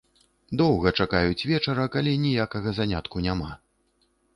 Доўга чакаюць вечара, калі ніякага занятку няма.